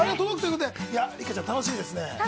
六花ちゃん、楽しみですね。